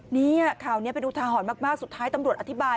นี่ข่าวนี้เป็นอุทาหรณ์มากสุดท้ายตำรวจอธิบาย